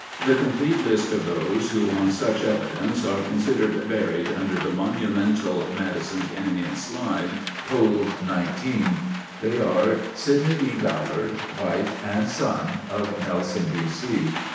The complete list of those who on such evidence are considered buried under the monumental Madison Canyon slide totalled 19. They are: Sidney D. Ballard, wife, and son of Nelson, B. C.